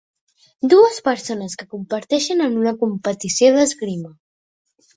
Dues persones que competeixen en una competició d'esgrima.